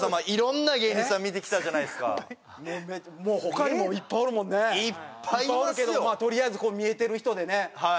いろんな芸人さん見てきたじゃないですかほかにもいっぱいおるもんねいっぱいいますよいっぱいおるけどもとりあえず見えてる人でね